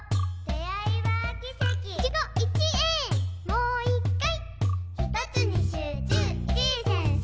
「もう一回」